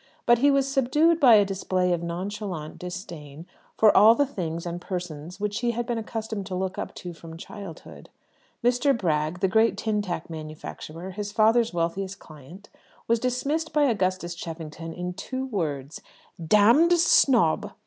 But he was subdued by a display of nonchalant disdain for all the things and persons which he had been accustomed to look up to, from childhood. Mr. Bragg, the great tin tack manufacturer, his father's wealthiest client, was dismissed by Augustus Cheffington in two words: "Damned snob!"